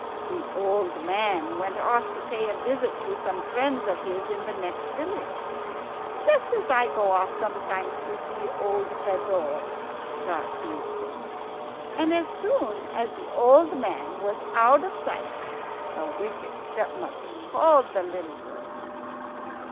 The old man went off to pay a visit to some friends of his in the next village, just as I go off sometimes to see old Fedor, God be with him. And as soon as the old man was out of sight the wicked stepmother called the little girl.